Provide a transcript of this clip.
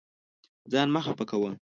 ځان مه خفه کوه.